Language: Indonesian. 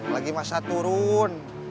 lagi masa turun